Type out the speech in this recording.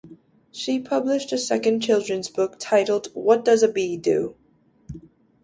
She published a second children's book titled What Does a Bee Do?